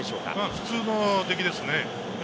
普通の出来ですね。